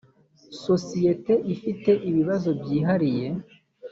sosiyete ifite ibibazo byihariye